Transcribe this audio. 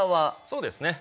そうですね。